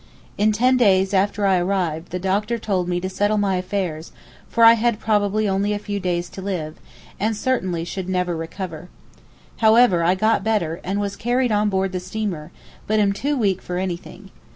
In ten days after I arrived the doctor told me to settle my affairs, for I had probably only a few days to live, and certainly should never recover. However I got better, and was carried on board the steamer, but am too weak for anything.